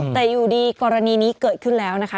แต่อยู่ดีกรณีนี้เกิดขึ้นแล้วนะคะ